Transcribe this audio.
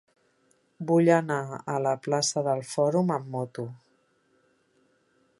Vull anar a la plaça del Fòrum amb moto.